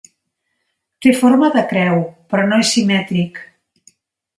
Té forma de creu, però no és simètric.